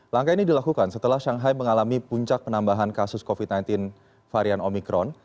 langkah ini dilakukan setelah shanghai mengalami puncak penambahan kasus covid sembilan belas varian omikron